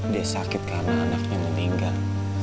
dia sakit karena anaknya meninggal